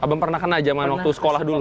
abang pernah kena zaman waktu sekolah dulu